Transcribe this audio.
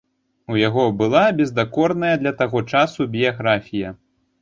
У яго была бездакорная для таго часу біяграфія.